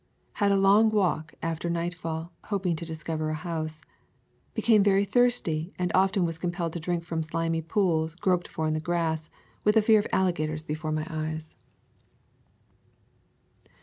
Had a long walk after night fall, hoping to discover a house. Became very thirsty and often was compelled to drink from slimy pools groped for in the grass, with the fear of alligators before my eyes.